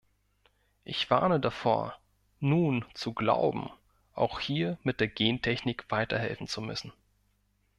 Ich warne davor, nun zu glauben, auch hier mit der Gentechnik weiterhelfen zu müssen.